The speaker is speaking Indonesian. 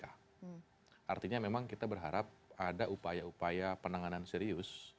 artinya memang kita berharap ada upaya upaya penanganan serius